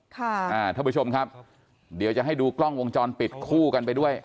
ท่านผู้ชมครับเดี๋ยวจะให้ดูกล้องวงจรปิดคู่กันไปด้วย